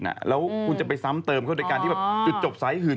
แล้วคุณจะไปซ้ำเติมเขาโดยการที่แบบจุดจบสายหื่น